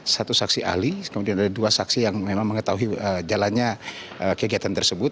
satu saksi ahli kemudian ada dua saksi yang memang mengetahui jalannya kegiatan tersebut